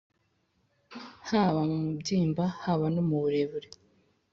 haba mu mubyimba haba no mu burebure.